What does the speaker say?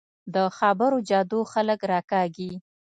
د خبرو جادو خلک راکاږي